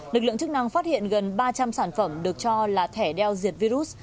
lực lượng chức năng phát hiện gần ba trăm linh sản phẩm được cho là thẻ đeo diệt virus